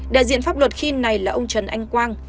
đại diện pháp luật khi này là ông trần anh quang